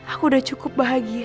aku sudah cukup bahagia